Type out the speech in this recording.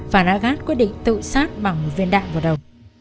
phản hà gác quyết định tự sát bằng viên đạn vào đầu